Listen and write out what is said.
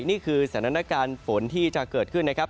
นี่คือสถานการณ์ฝนที่จะเกิดขึ้นนะครับ